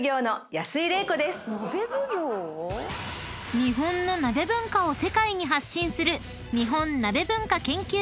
［日本の鍋文化を世界に発信する］